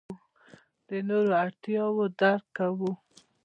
د نورو اړتیاوې درک کوو.